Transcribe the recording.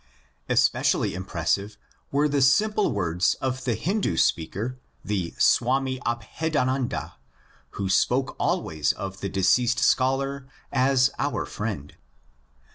Especially impressive were the simple words of the Hindu speaker, the Swami Abhedananda, who spoke always of the deceased scholar as ^' our friend."